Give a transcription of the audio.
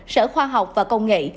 sở khoa học và công nghệ